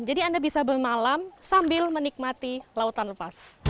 jadi anda bisa bermalam sambil menikmati lautan lepas